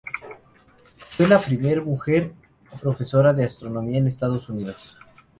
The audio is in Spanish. Fue la primera mujer profesora de astronomía en Estados Unidos.